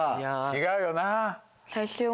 違うよな。